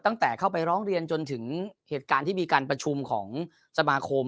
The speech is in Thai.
ตั้งแต่เข้าไปร้องเรียนจนถึงเหตุการณ์ที่มีการประชุมของสมาคม